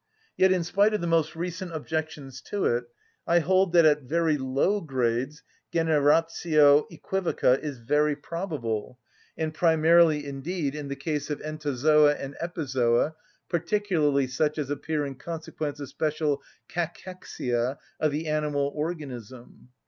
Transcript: Yet in spite of the most recent objections to it, I hold that at very low grades generatio œquivoca is very probable, and primarily indeed in the case of entozoa and epizoa, particularly such as appear in consequence of special cachexia of the animal organism.